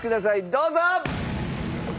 どうぞ！